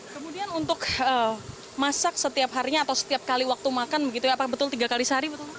kemudian untuk masak setiap harinya atau setiap kali waktu makan begitu ya apa betul tiga kali sehari betul